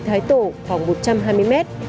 thái tổ khoảng một trăm hai mươi m